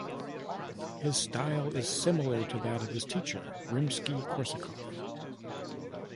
His style is similar to that of his teacher Rimsky-Korsakov.